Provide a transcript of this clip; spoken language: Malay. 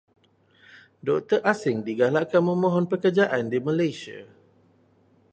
Doktor asing digalakkan memohon pekerjaan di Malaysia.